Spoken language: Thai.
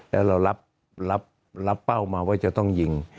แล้วเรารับเป้ามาว่าจะต้องยิง